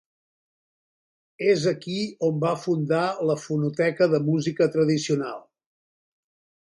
És aquí on va fundar la Fonoteca de Música Tradicional.